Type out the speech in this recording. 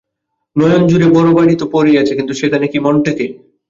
নয়নজোড়ে বড়ো বাড়ি তো পড়েই আছে, কিন্তু সেখানে কি মন টেঁকে।